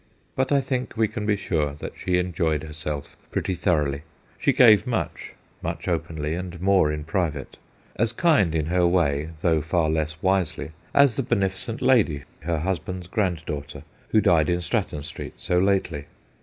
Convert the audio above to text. But I think we can be sure that she enjoyed herself pretty thoroughly. She gave much much openly, and more in private as kind in her way, though far less wisely, as the beneficent lady, her husband's granddaugh ter, who died in Stratton Street so lately.